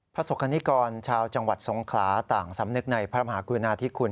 ประสบกรณิกรชาวจังหวัดสงขลาต่างสำนึกในพระมหากรุณาธิคุณ